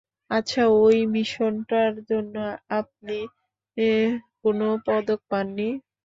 আচ্ছা, ঐ মিশনটার জন্য আপনি কোনো পদক পাননি?